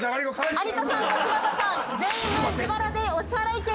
有田さんと柴田さん全員分自腹でお支払い決定です！